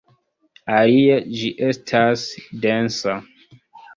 Alie, ĝi estas densa.